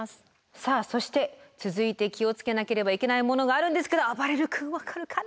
さあそして続いて気を付けなければいけないものがあるんですけどあばれる君分かるかな？